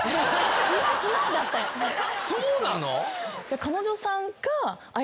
そうなの？